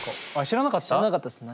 知らなかったっす。